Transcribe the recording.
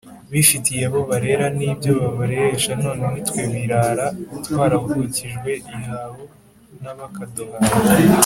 Bifitiye abo barera N’ibyo babareresha None nitwe birara Twaravukijwe ihaho N’abakaduhaye!